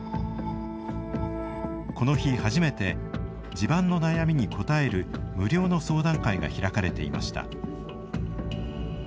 この日初めて地盤の悩みに応える無料の相談会が開かれていました。